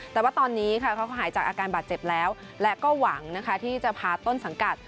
แต่ว่าตอนนี้เขาก็หายจากอาการบาดเจ็บแล้วและก็หวังนะคะที่จะพาต้นสังกัด